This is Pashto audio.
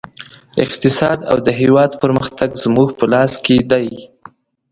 اقتصاد او د هېواد پرمختګ زموږ په لاس کې دی